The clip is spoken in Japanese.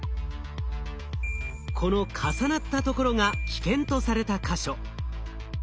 この重なったところが危険とされた箇所。